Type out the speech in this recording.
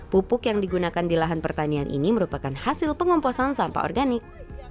pupuk yang digunakan di lahan pertanian ini merupakan hasil pengomposan sampah organik